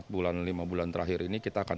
empat bulan lima bulan terakhir ini kita akan